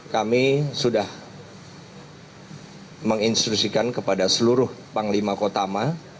kami sudah menginstruksikan kepada seluruh panglima kotama